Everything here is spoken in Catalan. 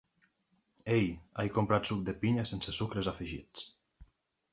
Ei, he comprat suc de pinya sense sucres afegits.